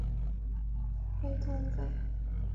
雷通费。